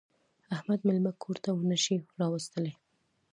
احمد مېلمه کور ته نه شي راوستلی.